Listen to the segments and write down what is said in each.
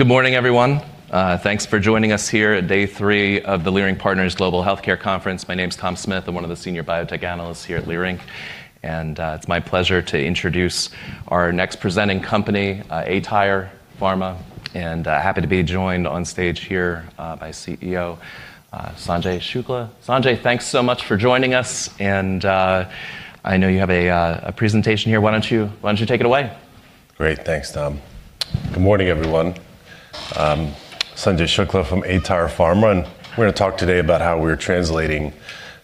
Good morning, everyone. Thanks for joining us here at day three of the Leerink Partners Global Healthcare Conference. My name's Tom Smith. I'm one of the senior biotech analysts here at Leerink, and it's my pleasure to introduce our next presenting company, aTyr Pharma, and happy to be joined on stage here by CEO Sanjay Shukla. Sanjay, thanks so much for joining us, and I know you have a presentation here. Why don't you take it away? Great. Thanks, Tom. Good morning, everyone. I'm Sanjay Shukla from aTyr Pharma, and we're gonna talk today about how we're translating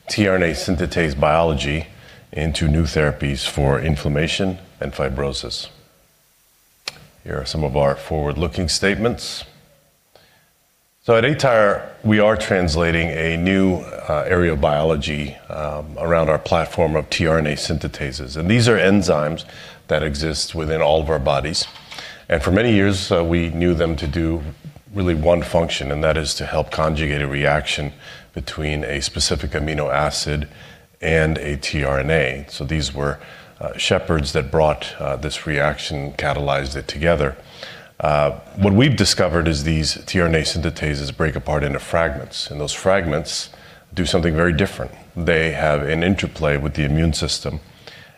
tRNA synthetase biology into new therapies for inflammation and fibrosis. Here are some of our forward-looking statements. At aTyr Pharma, we are translating a new area of biology around our platform of tRNA synthetases, and these are enzymes that exist within all of our bodies. For many years, we knew them to do really one function, and that is to help conjugate a reaction between a specific amino acid and a tRNA. These were shepherds that brought this reaction, catalyzed it together. What we've discovered is these tRNA synthetases break apart into fragments, and those fragments do something very different. They have an interplay with the immune system,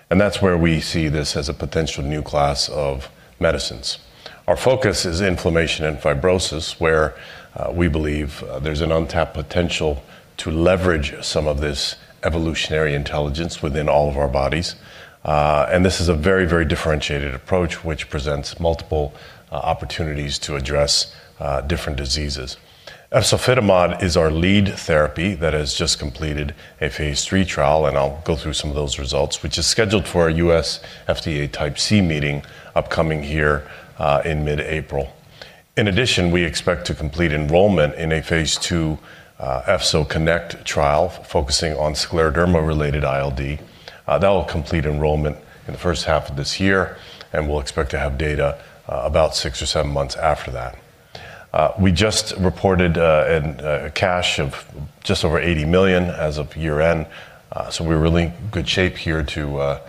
and that's where we see this as a potential new class of medicines. Our focus is inflammation and fibrosis, where, we believe, there's an untapped potential to leverage some of this evolutionary intelligence within all of our bodies. This is a very, very differentiated approach which presents multiple, opportunities to address, different diseases. efzofitimod is our lead therapy that has just completed a phase III trial, and I'll go through some of those results, which is scheduled for a U.S. FDA Type C meeting upcoming here, in mid-April. In addition, we expect to complete enrollment in a phase II, EFZO-CONNECT trial focusing on scleroderma-related ILD. That will complete enrollment in the first half of this year, and we'll expect to have data, about six or seven months after that. We just reported cash of just over $80 million as of year-end, so we're in really good shape here to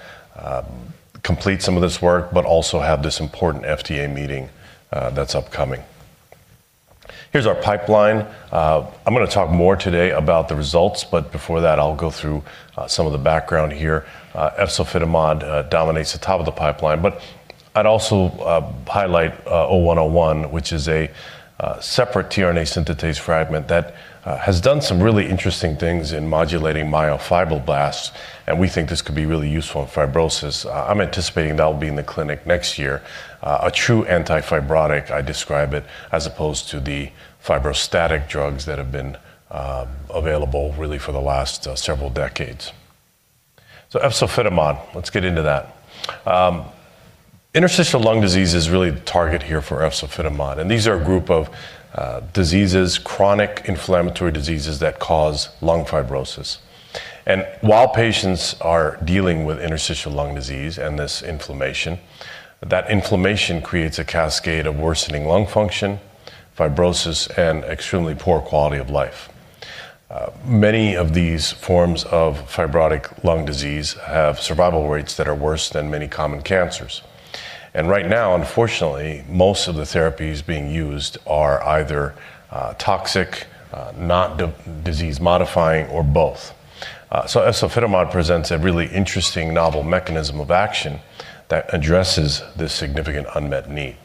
complete some of this work, but also have this important FDA meeting that's upcoming. Here's our pipeline. I'm gonna talk more today about the results, but before that, I'll go through some of the background here. Efzofitimod dominates the top of the pipeline, but I'd also highlight 0101, which is a separate tRNA synthetase fragment that has done some really interesting things in modulating myofibroblasts, and we think this could be really useful in fibrosis. I'm anticipating that'll be in the clinic next year. A true anti-fibrotic, I describe it, as opposed to the fibrostatic drugs that have been available really for the last several decades. Efzofitimod, let's get into that. Interstitial lung disease is really the target here for efzofitimod, and these are a group of diseases, chronic inflammatory diseases that cause lung fibrosis. While patients are dealing with interstitial lung disease and this inflammation, that inflammation creates a cascade of worsening lung function, fibrosis, and extremely poor quality of life. Many of these forms of fibrotic lung disease have survival rates that are worse than many common cancers. Right now, unfortunately, most of the therapies being used are either toxic, not disease modifying or both. Efzofitimod presents a really interesting novel mechanism of action that addresses this significant unmet need.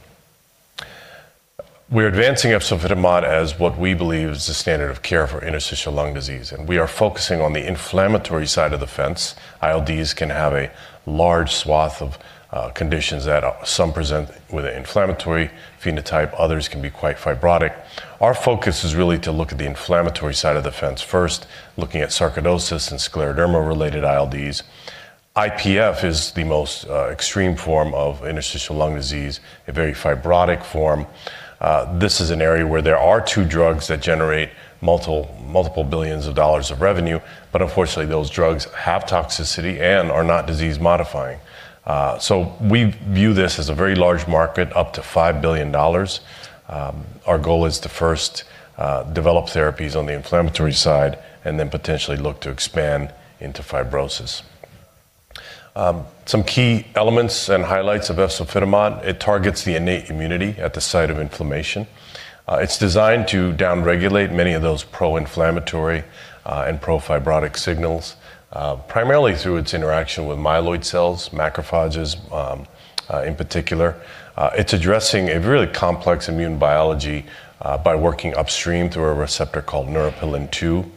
We're advancing efzofitimod as what we believe is the standard of care for interstitial lung disease, and we are focusing on the inflammatory side of the fence. ILDs can have a large swath of conditions that some present with an inflammatory phenotype, others can be quite fibrotic. Our focus is really to look at the inflammatory side of the fence first, looking at sarcoidosis and scleroderma-related ILDs. IPF is the most extreme form of interstitial lung disease, a very fibrotic form. This is an area where there are two drugs that generate multiple billions of dollars of revenue, but unfortunately, those drugs have toxicity and are not disease modifying. We view this as a very large market, up to $5 billion. Our goal is to first develop therapies on the inflammatory side and then potentially look to expand into fibrosis. Some key elements and highlights of efzofitimod. It targets the innate immunity at the site of inflammation. It's designed to down-regulate many of those pro-inflammatory, and pro-fibrotic signals, primarily through its interaction with myeloid cells, macrophages, in particular. It's addressing a really complex immune biology, by working upstream through a receptor called Neuropilin-2.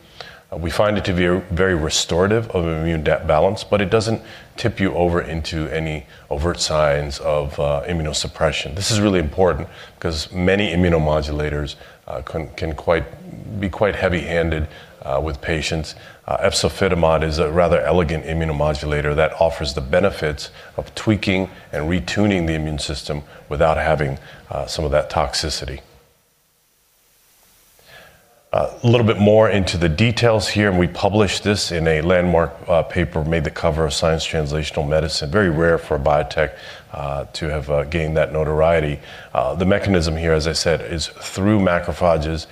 We find it to be very restorative of immune balance, but it doesn't tip you over into any overt signs of, immunosuppression. This is really important 'cause many immunomodulators, can be quite heavy-handed, with patients. Efzofitimod is a rather elegant immunomodulator that offers the benefits of tweaking and retuning the immune system without having, some of that toxicity. A little bit more into the details here, and we published this in a landmark, paper, made the cover of Science Translational Medicine. Very rare for a biotech, to have, gained that notoriety. The mechanism here, as I said, is through macrophages.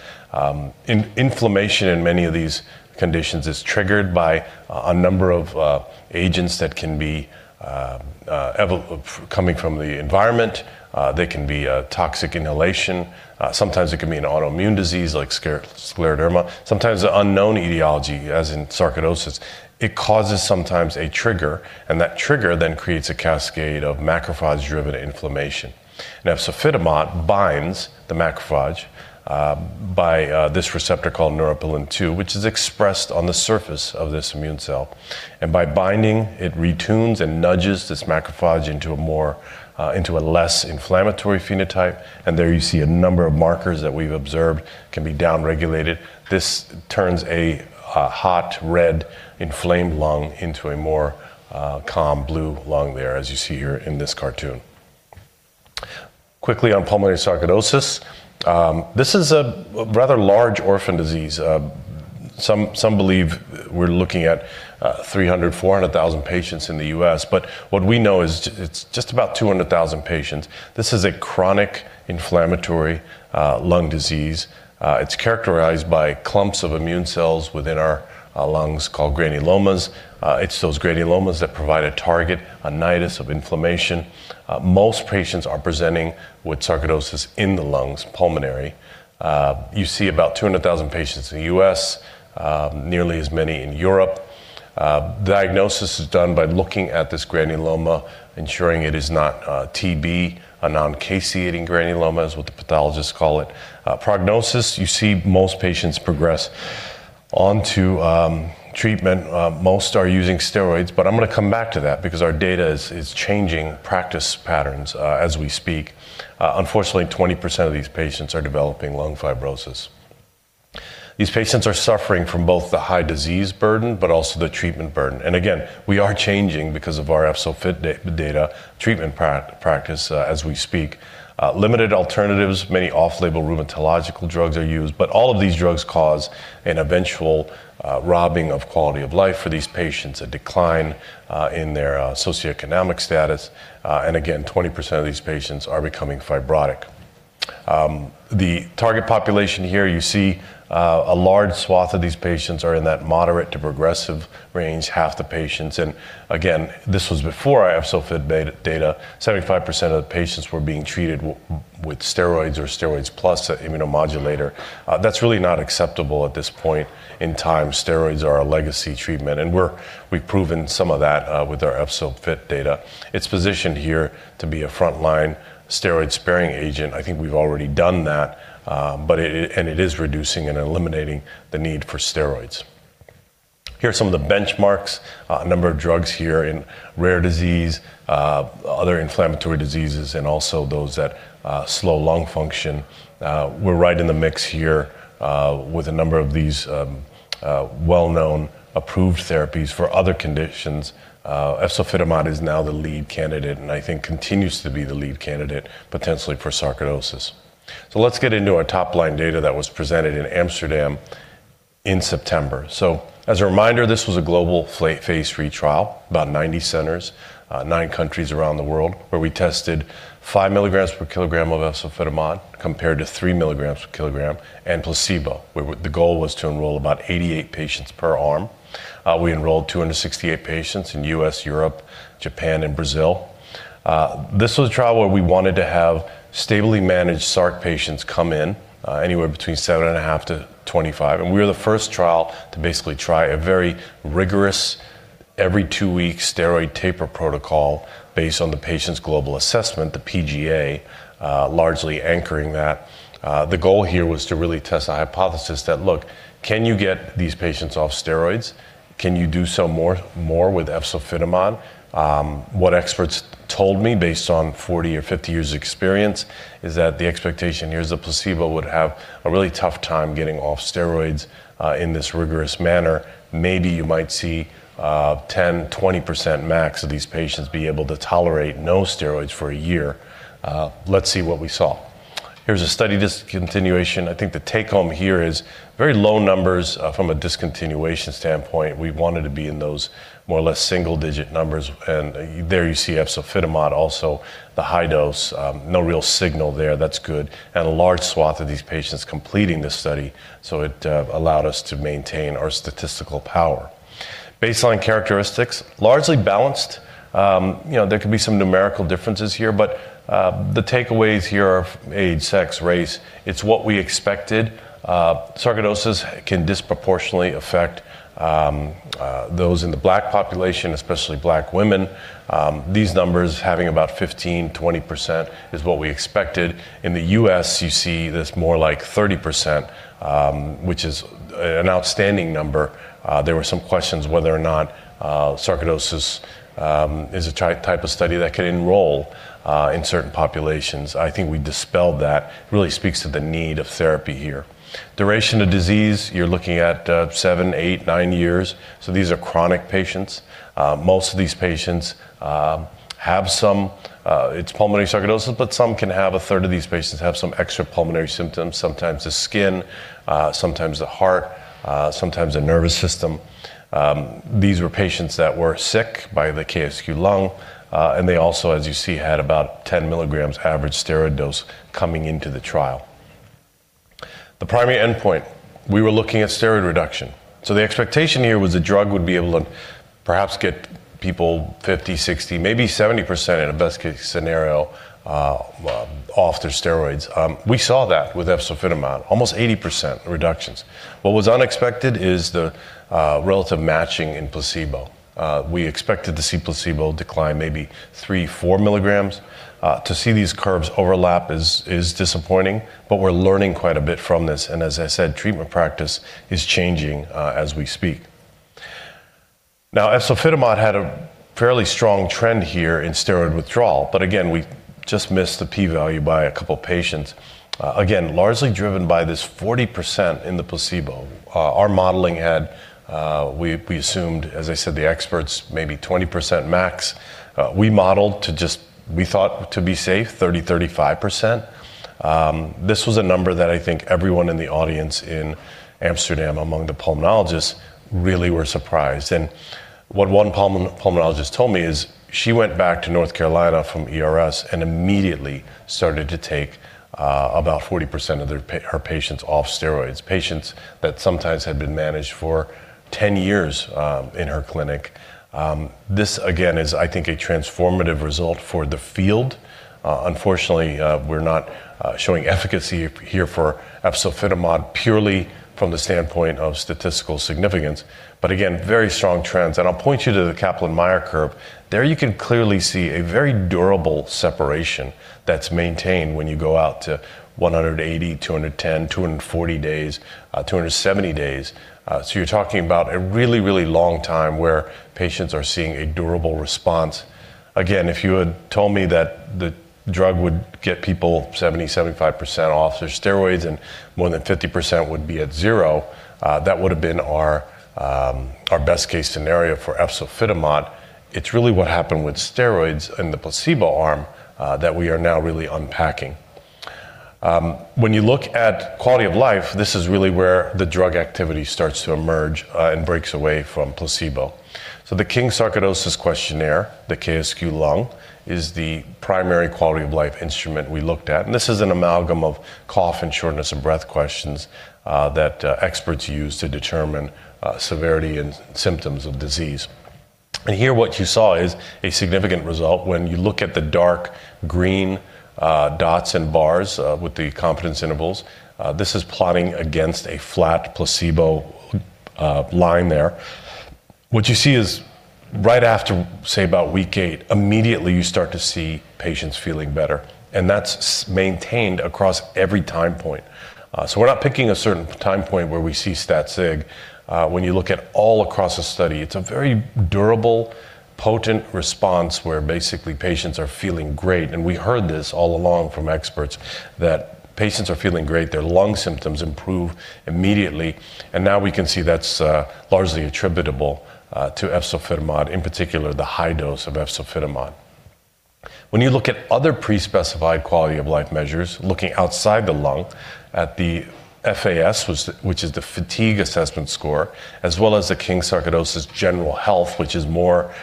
Inflammation in many of these conditions is triggered by a number of agents that can be coming from the environment, they can be a toxic inhalation, sometimes it can be an autoimmune disease like scleroderma, sometimes an unknown etiology, as in sarcoidosis. It causes sometimes a trigger, and that trigger then creates a cascade of macrophage-driven inflammation. Now, efzofitimod binds the macrophage by this receptor called Neuropilin-2, which is expressed on the surface of this immune cell. By binding, it retunes and nudges this macrophage into a less inflammatory phenotype, and there you see a number of markers that we've observed can be downregulated. This turns a hot, red, inflamed lung into a more calm, blue lung there, as you see here in this cartoon. Quickly on pulmonary sarcoidosis. This is a rather large orphan disease. Some believe we're looking at 300,000, 400,000 patients in the U.S., but what we know is it's just about 200,000 patients. This is a chronic inflammatory lung disease. It's characterized by clumps of immune cells within our lungs called granulomas. It's those granulomas that provide a target, a nidus of inflammation. Most patients are presenting with sarcoidosis in the lungs, pulmonary. You see about 200,000 patients in the U.S., nearly as many in Europe. Diagnosis is done by looking at this granuloma, ensuring it is not TB. A non-caseating granuloma is what the pathologists call it. Prognosis, you see most patients progress onto treatment. Most are using steroids, but I'm gonna come back to that because our data is changing practice patterns as we speak. Unfortunately, 20% of these patients are developing lung fibrosis. These patients are suffering from both the high disease burden, but also the treatment burden. We are changing because of our EFZO-FIT data, treatment practice as we speak. Limited alternatives, many off-label rheumatological drugs are used, but all of these drugs cause an eventual robbing of quality of life for these patients, a decline in their socioeconomic status, and 20% of these patients are becoming fibrotic. The target population here, you see, a large swath of these patients are in that moderate to progressive range, half the patients. Again, this was before EFZO-FIT data. 75% of the patients were being treated with steroids or steroids plus a immunomodulator. That's really not acceptable at this point in time. Steroids are a legacy treatment, and we've proven some of that with our EFZO-FIT data. It's positioned here to be a frontline steroid-sparing agent. I think we've already done that, but it is reducing and eliminating the need for steroids. Here are some of the benchmarks. A number of drugs here in rare disease, other inflammatory diseases, and also those that slow lung function. We're right in the mix here with a number of these, well-known, approved therapies for other conditions. Efzofitimod is now the lead candidate, and I think continues to be the lead candidate, potentially for sarcoidosis. Let's get into our top-line data that was presented in Amsterdam in September. As a reminder, this was a global phase III trial, about 90 centers, nine countries around the world, where we tested 5 milligrams per kilogram of efzofitimod compared to 3 milligrams per kilogram and placebo, where the goal was to enroll about 88 patients per arm. We enrolled 268 patients in U.S., Europe, Japan, and Brazil. This was a trial where we wanted to have stably managed sarc patients come in, anywhere between 7.5-25, and we were the first trial to basically try a very rigorous every two-week steroid taper protocol based on the patient's global assessment, the PGA, largely anchoring that. The goal here was to really test the hypothesis that, look, can you get these patients off steroids? Can you do so more with efzofitimod? What experts told me based on 40 or 50 years experience is that the expectation here is the placebo would have a really tough time getting off steroids in this rigorous manner. Maybe you might see 10%-20% max of these patients be able to tolerate no steroids for a year. Let's see what we saw. Here's a study discontinuation. I think the take-home here is very low numbers from a discontinuation standpoint. We wanted to be in those more or less single-digit numbers, and there you see efzofitimod, also the high dose, no real signal there. That's good. A large swath of these patients completing this study, so it allowed us to maintain our statistical power. Baseline characteristics, largely balanced. You know, there could be some numerical differences here, but the takeaways here are age, sex, race. It's what we expected. Sarcoidosis can disproportionately affect those in the Black population, especially Black women. These numbers having about 15, 20% is what we expected. In the U.S., you see this more like 30%, which is an outstanding number. There were some questions whether or not sarcoidosis is a type of study that could enroll in certain populations. I think we dispelled that. Really speaks to the need of therapy here. Duration of disease, you're looking at seven, eight, nine years. These are chronic patients. Most of these patients have pulmonary sarcoidosis, but a third of these patients have some extrapulmonary symptoms, sometimes the skin, sometimes the heart, sometimes the nervous system. These were patients that were sick by the KSQ lung, and they also, as you see, had about 10 milligrams average steroid dose coming into the trial. The primary endpoint, we were looking at steroid reduction. The expectation here was the drug would be able to perhaps get people 50, 60, maybe 70% in a best-case scenario off their steroids. We saw that with efzofitimod, almost 80% reductions. What was unexpected is the relative matching in placebo. We expected to see placebo decline maybe 3 milligrams, 4 milligrams. To see these curves overlap is disappointing, but we're learning quite a bit from this. As I said, treatment practice is changing, as we speak. Now, efzofitimod had a fairly strong trend here in steroid withdrawal, but again, we just missed the p-value by a couple patients. Again, largely driven by this 40% in the placebo. Our modeling had, we assumed, as I said, the experts, maybe 20% max. We modeled to just. We thought to be safe, 35%. This was a number that I think everyone in the audience in Amsterdam among the pulmonologists really were surprised. What one pulmonologist told me is she went back to North Carolina from ERS and immediately started to take, about 40% of her patients off steroids, patients that sometimes had been managed for 10 years, in her clinic. This again is I think a transformative result for the field. Unfortunately, we're not showing efficacy here for efzofitimod purely from the standpoint of statistical significance, but again, very strong trends. I'll point you to the Kaplan-Meier curve. There you can clearly see a very durable separation that's maintained when you go out to 180, 210, 240 days, 270 days. You're talking about a really, really long time where patients are seeing a durable response. Again, if you had told me that the drug would get people 70%, 75% off their steroids and more than 50% would be at zero, that would have been our best-case scenario for efzofitimod. It's really what happened with steroids in the placebo arm that we are now really unpacking. When you look at quality of life, this is really where the drug activity starts to emerge, and breaks away from placebo. King's Sarcoidosis Questionnaire, the KSQ lung, is the primary quality of life instrument we looked at. This is an amalgam of cough and shortness of breath questions that experts use to determine severity and symptoms of disease. Here what you saw is a significant result when you look at the dark green dots and bars with the confidence intervals. This is plotting against a flat placebo line there. What you see is right after, say, about week eight, immediately you start to see patients feeling better, and that's maintained across every time point. We're not picking a certain time point where we see stat sig. When you look at all across the study, it's a very durable, potent response where basically patients are feeling great. We heard this all along from experts that patients are feeling great, their lung symptoms improve immediately, and now we can see that's largely attributable to efzofitimod, in particular the high dose of efzofitimod. When you look at other pre-specified quality of life measures, looking outside the lung at the FAS, which is the fatigue assessment score, as well as the King's Sarcoidosis general health, which is more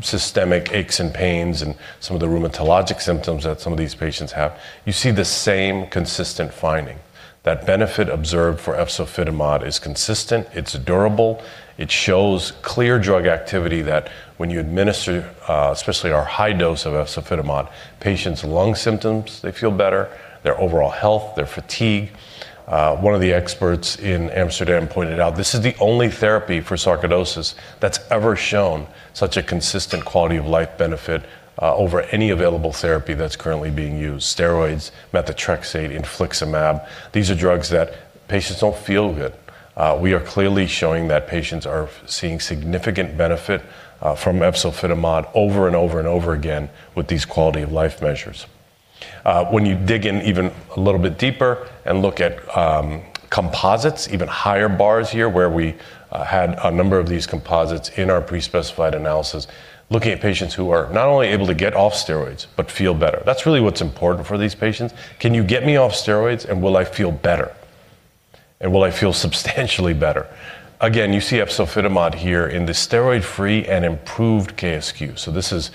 systemic aches and pains and some of the rheumatologic symptoms that some of these patients have, you see the same consistent finding. That benefit observed for efzofitimod is consistent, it's durable, it shows clear drug activity that when you administer, especially our high dose of efzofitimod, patients' lung symptoms, they feel better, their overall health, their fatigue. One of the experts in Amsterdam pointed out this is the only therapy for sarcoidosis that's ever shown such a consistent quality of life benefit, over any available therapy that's currently being used. Steroids, methotrexate, infliximab, these are drugs that patients don't feel good. We are clearly showing that patients are seeing significant benefit, from efzofitimod over and over and over again with these quality of life measures. When you dig in even a little bit deeper and look at composites, even higher bars here, where we had a number of these composites in our pre-specified analysis, looking at patients who are not only able to get off steroids but feel better. That's really what's important for these patients. Can you get me off steroids, and will I feel better? Will I feel substantially better? Again, you see efzofitimod here in the steroid-free and improved KSQ. This is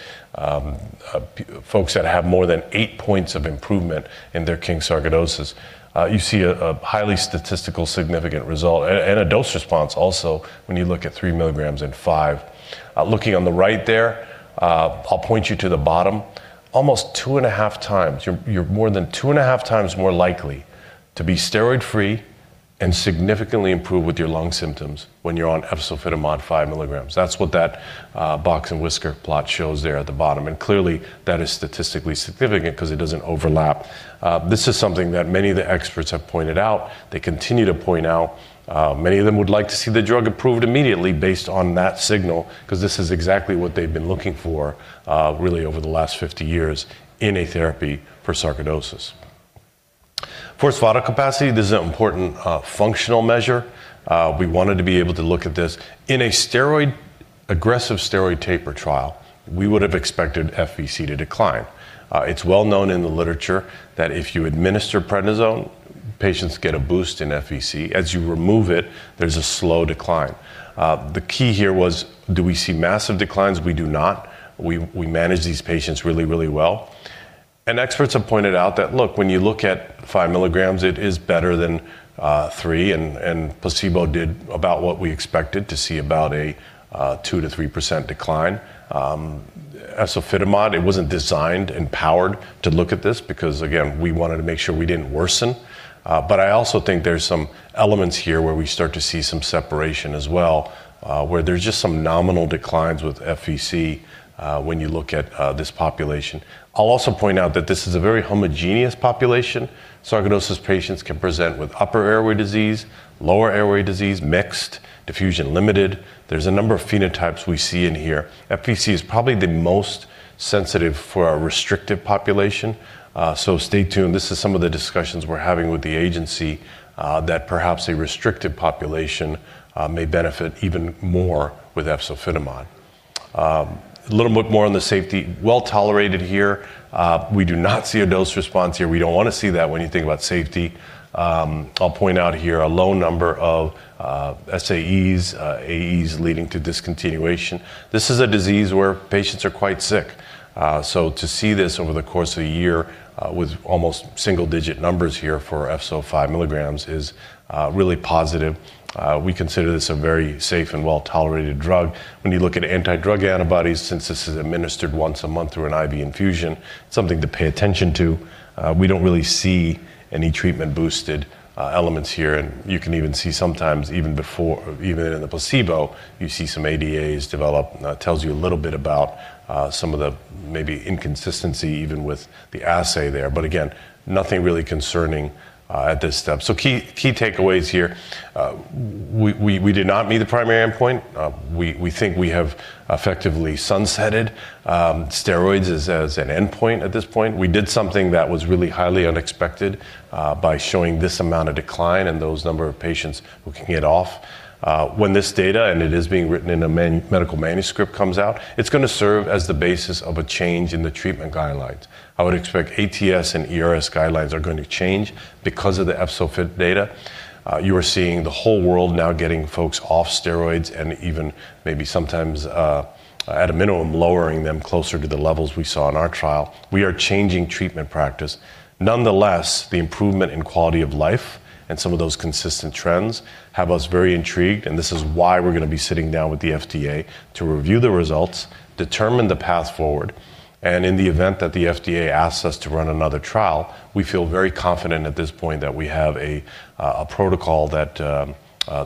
folks that have more than eight points of improvement in their King's Sarcoidosis Questionnaire. You see a highly statistically significant result and a dose response also when you look at 3 milligrams and 5 milligrams. Looking on the right there, I'll point you to the bottom. Almost 2.5x. You're more than 2.5x more likely to be steroid-free and significantly improve with your lung symptoms when you're on efzofitimod 5 milligrams. That's what that box and whisker plot shows there at the bottom. Clearly that is statistically significant 'cause it doesn't overlap. This is something that many of the experts have pointed out. They continue to point out, many of them would like to see the drug approved immediately based on that signal 'cause this is exactly what they've been looking for, really over the last 50 years in a therapy for sarcoidosis. Forced vital capacity, this is an important functional measure. We wanted to be able to look at this. In an aggressive steroid taper trial, we would have expected FVC to decline. It's well known in the literature that if you administer prednisone, patients get a boost in FVC. As you remove it, there's a slow decline. The key here was, do we see massive declines? We do not. We manage these patients really, really well. Experts have pointed out that, look, when you look at 5 milligrams, it is better than 3 milligrams, and placebo did about what we expected to see about a 2%-3% decline. Efzofitimod, it wasn't designed and powered to look at this because, again, we wanted to make sure we didn't worsen. But I also think there's some elements here where we start to see some separation as well, where there's just some nominal declines with FVC, when you look at this population. I'll also point out that this is a very homogeneous population. Sarcoidosis patients can present with upper airway disease, lower airway disease, mixed, diffusion limited. There's a number of phenotypes we see in here. FVC is probably the most sensitive for our restrictive population, so stay tuned. This is some of the discussions we're having with the agency, that perhaps a restrictive population may benefit even more with efzofitimod. A little bit more on the safety. Well-tolerated here. We do not see a dose response here. We don't want to see that when you think about safety. I'll point out here a low number of SAEs, AEs leading to discontinuation. This is a disease where patients are quite sick. To see this over the course of a year, with almost single-digit numbers here for efzofitimod 5 milligrams is really positive. We consider this a very safe and well-tolerated drug. When you look at anti-drug antibodies, since this is administered once a month through an IV infusion, something to pay attention to. We don't really see any treatment-boosted elements here. You can even see sometimes even before, even in the placebo, you see some ADAs develop. That tells you a little bit about some of the maybe inconsistency even with the assay there. Again, nothing really concerning at this step. Key takeaways here. We did not meet the primary endpoint. We think we have effectively sunsetted steroids as an endpoint at this point. We did something that was really highly unexpected by showing this amount of decline and those number of patients who can get off. When this data, and it is being written in a medical manuscript, comes out, it's gonna serve as the basis of a change in the treatment guidelines. I would expect ATS and ERS guidelines are going to change because of the EFZO-FIT data. You are seeing the whole world now getting folks off steroids and even maybe sometimes, at a minimum, lowering them closer to the levels we saw in our trial. We are changing treatment practice. Nonetheless, the improvement in quality of life and some of those consistent trends have us very intrigued, and this is why we're gonna be sitting down with the FDA to review the results, determine the path forward, and in the event that the FDA asks us to run another trial, we feel very confident at this point that we have a protocol that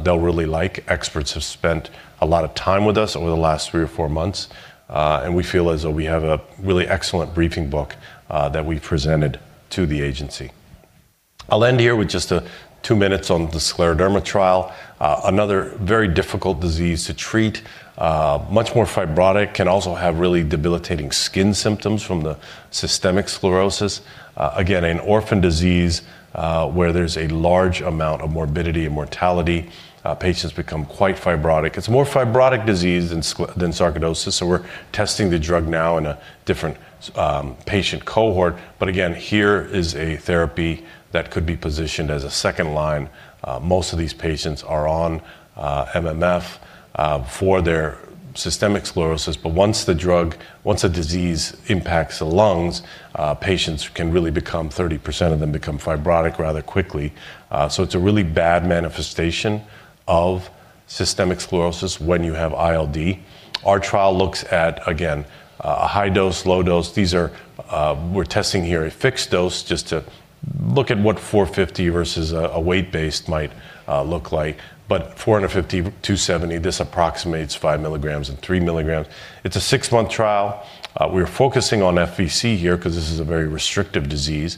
they'll really like. Experts have spent a lot of time with us over the last three or four months, and we feel as though we have a really excellent briefing book that we presented to the agency. I'll end here with just two minutes on the scleroderma trial, another very difficult disease to treat. Much more fibrotic, can also have really debilitating skin symptoms from the systemic sclerosis. Again, an orphan disease where there's a large amount of morbidity and mortality. Patients become quite fibrotic. It's a more fibrotic disease than sarcoidosis, so we're testing the drug now in a different patient cohort. Again, here is a therapy that could be positioned as a second line. Most of these patients are on MMF for their systemic sclerosis. Once a disease impacts the lungs, patients can really become thirty percent of them become fibrotic rather quickly. It's a really bad manifestation of systemic sclerosis when you have ILD. Our trial looks at, again, a high dose, low dose. These are, we're testing here a fixed dose just to look at what 450 versus a weight-based might look like. 450, 270, this approximates 5 milligrams and 3 milligrams. It's a six-month trial. We're focusing on FVC here 'cause this is a very restrictive disease.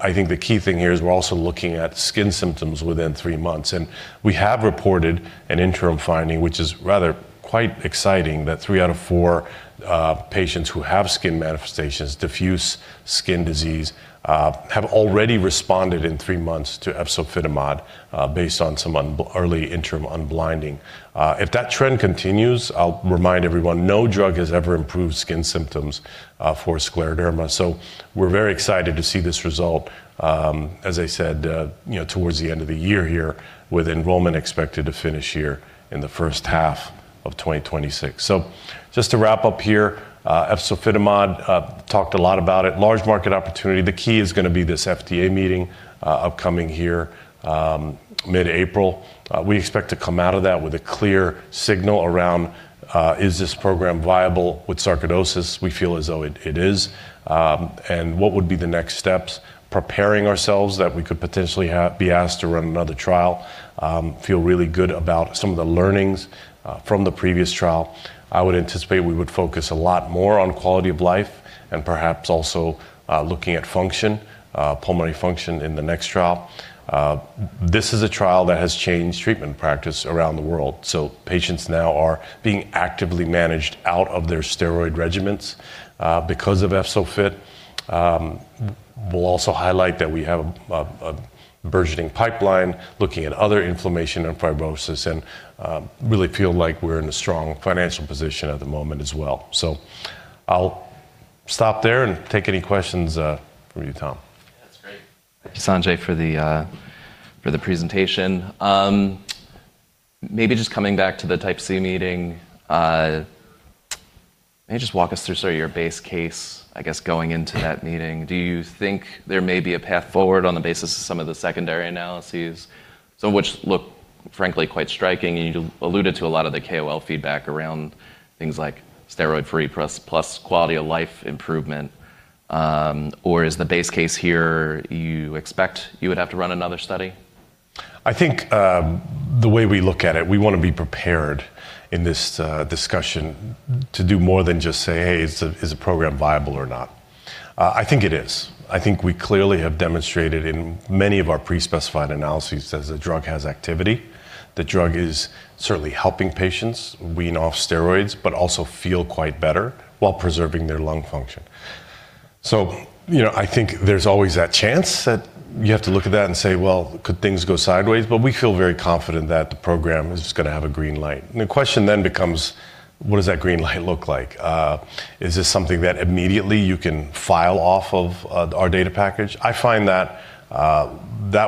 I think the key thing here is we're also looking at skin symptoms within three months. We have reported an interim finding, which is rather quite exciting, that three out of four patients who have skin manifestations, diffuse skin disease, have already responded in three months to efzofitimod, based on some early interim unblinding. If that trend continues, I'll remind everyone no drug has ever improved skin symptoms for scleroderma. We're very excited to see this result, as I said, you know, towards the end of the year here with enrollment expected to finish here in the first half of 2026. Just to wrap up here, efzofitimod, talked a lot about it. Large market opportunity. The key is gonna be this FDA meeting upcoming here, mid-April. We expect to come out of that with a clear signal around, is this program viable with sarcoidosis? We feel as though it is. What would be the next steps? Preparing ourselves that we could potentially be asked to run another trial. Feel really good about some of the learnings from the previous trial. I would anticipate we would focus a lot more on quality of life and perhaps also looking at function, pulmonary function in the next trial. This is a trial that has changed treatment practice around the world, so patients now are being actively managed out of their steroid regimens because of efzofitimod. We'll also highlight that we have a burgeoning pipeline looking at other inflammation and fibrosis and really feel like we're in a strong financial position at the moment as well. I'll stop there and take any questions from you, Tom. That's great. Thank you, Sanjay, for the presentation. Maybe just coming back to the Type C meeting, may you just walk us through sort of your base case, I guess, going into that meeting. Do you think there may be a path forward on the basis of some of the secondary analyses, some of which look frankly quite striking, and you alluded to a lot of the KOL feedback around things like steroid-free plus quality of life improvement, or is the base case here you expect you would have to run another study? I think, the way we look at it, we wanna be prepared in this discussion to do more than just say, "Hey, is the program viable or not?" I think it is. I think we clearly have demonstrated in many of our pre-specified analyses that the drug has activity. The drug is certainly helping patients wean off steroids, but also feel quite better while preserving their lung function. You know, I think there's always that chance that you have to look at that and say, "Well, could things go sideways?" We feel very confident that the program is just gonna have a green light. The question then becomes, what does that green light look like? Is this something that immediately you can file off of our data package? I find that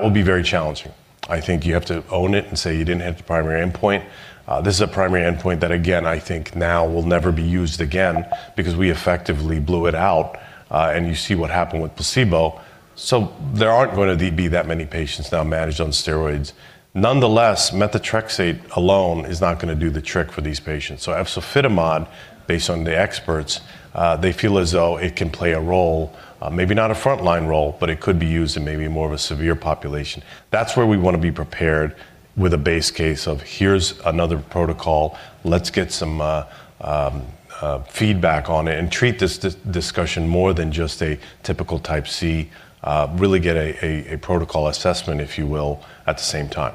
will be very challenging. I think you have to own it and say you didn't hit the primary endpoint. This is a primary endpoint that again, I think now will never be used again because we effectively blew it out, and you see what happened with placebo. There aren't gonna be that many patients now managed on steroids. Nonetheless, methotrexate alone is not gonna do the trick for these patients. Efzofitimod, based on the experts, they feel as though it can play a role, maybe not a frontline role, but it could be used in maybe more of a severe population. That's where we wanna be prepared with a base case of here's another protocol, let's get some feedback on it and treat this discussion more than just a typical Type C, really get a protocol assessment, if you will, at the same time.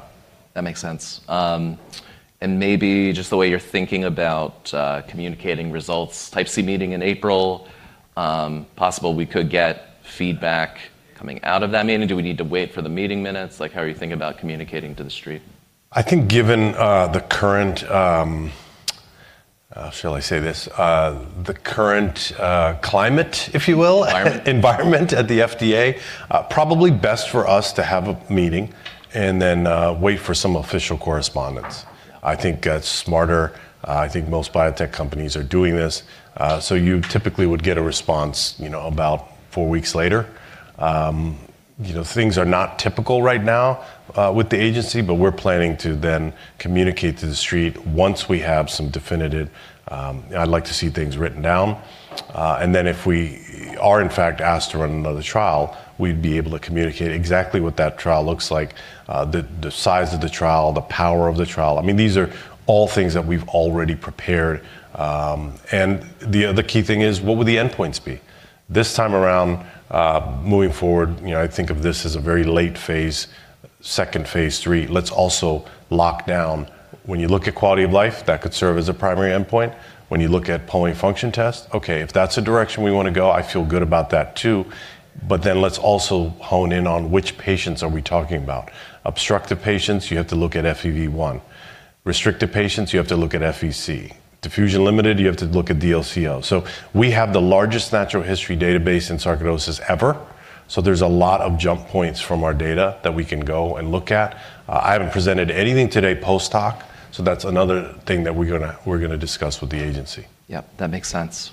That makes sense. Maybe just the way you're thinking about communicating results, Type C meeting in April, possible we could get feedback coming out of that meeting. Do we need to wait for the meeting minutes? Like how are you thinking about communicating to the street? I think given the current climate, if you will. Environment Environment at the FDA, probably best for us to have a meeting and then wait for some official correspondence. I think that's smarter. I think most biotech companies are doing this. You typically would get a response, you know, about four weeks later. You know, things are not typical right now with the agency, but we're planning to then communicate to the street once we have some definitive. I'd like to see things written down. Then if we are in fact asked to run another trial, we'd be able to communicate exactly what that trial looks like, the size of the trial, the power of the trial. I mean, these are all things that we've already prepared. The key thing is what would the endpoints be? This time around, moving forward, you know, I think of this as a very late phase, second phase three. Let's also lock down. When you look at quality of life, that could serve as a primary endpoint. When you look at pulmonary function test, okay, if that's the direction we wanna go, I feel good about that too, but then let's also hone in on which patients are we talking about. Obstructive patients, you have to look at FEV1. Restrictive patients, you have to look at FVC. Diffusion limited, you have to look at DLCO. So we have the largest natural history database in sarcoidosis ever, so there's a lot of jump points from our data that we can go and look at. I haven't presented anything today post-hoc, so that's another thing that we're gonna discuss with the agency. Yep, that makes sense.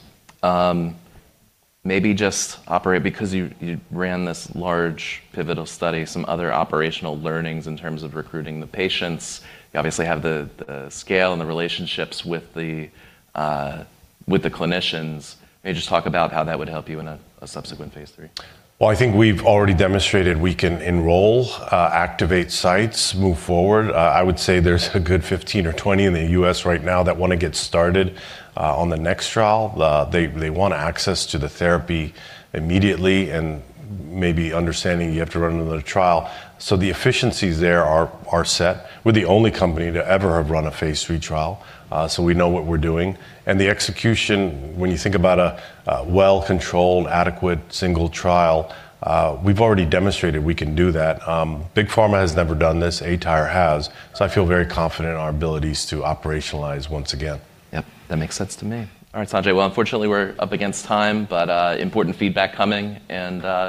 Maybe just elaborate because you ran this large pivotal study, some other operational learnings in terms of recruiting the patients. You obviously have the scale and the relationships with the clinicians. Maybe just talk about how that would help you in a subsequent phase III. Well, I think we've already demonstrated we can enroll, activate sites, move forward. I would say there's a good 15 or 20 in the U.S. right now that wanna get started on the next trial. They want access to the therapy immediately and maybe understanding you have to run another trial. The efficiencies there are set. We're the only company to ever have run a phase III trial, so we know what we're doing. The execution, when you think about a well-controlled, adequate single trial, we've already demonstrated we can do that. Big pharma has never done this aTyr has. I feel very confident in our abilities to operationalize once again. Yep, that makes sense to me. All right, Sanjay. Well, unfortunately, we're up against time, but, important feedback coming and...